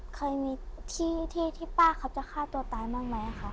เคยมีที่ที่ป้าเขาจะฆ่าตัวตายบ้างไหมคะ